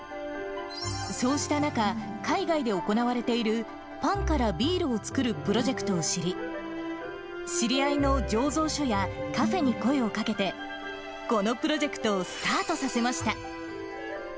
そうした中、海外で行われている、パンからビールを造るプロジェクトを知り、知り合いの醸造所やカフェに声をかけて、このプロジェクトをスタートさせました。